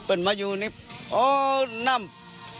เป็นมาอยู่ในนำ